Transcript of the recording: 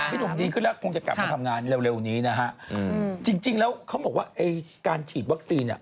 หนุ่มดีขึ้นแล้วคงจะกลับมาทำงานเร็วนี้นะฮะจริงแล้วเขาบอกว่าไอ้การฉีดวัคซีนอ่ะ